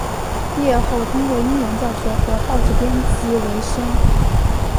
毕业后通过英文教学和报纸编辑维生。